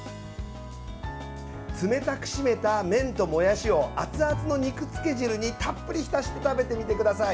冷たく締めた麺ともやしを熱々の肉つけ汁にたっぷり浸して食べてみてください。